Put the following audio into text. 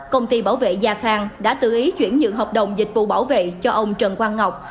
công ty bảo vệ gia khang đã tự ý chuyển dựng hợp đồng dịch vụ bảo vệ cho ông trần quang ngọc